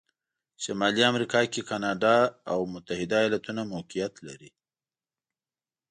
شمالي امریکا کې کانادا او متحتد ایالتونه موقعیت لري.